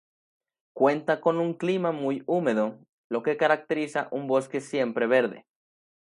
Cuenta con un clima muy húmedo, lo que caracteriza un bosque siempre verde.